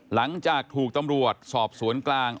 หลังจากถูกตำรวจสอบสวนกลาง